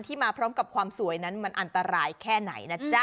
มาพร้อมกับความสวยนั้นมันอันตรายแค่ไหนนะจ๊ะ